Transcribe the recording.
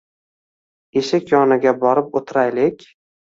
Eshik yoniga borib o`tiraylik